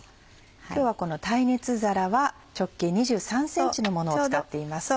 今日はこの耐熱皿は直径２３ｃｍのものを使っています。